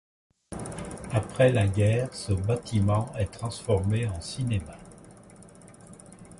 Après la guerre ce bâtiment est transformé en cinéma.